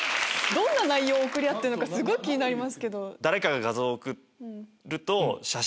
どんな内容送り合ってるのかすごい気になりますけど。